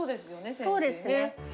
そうですね。